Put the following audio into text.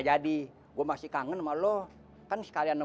makhluk terkait untuk gaas di merlewati quiereum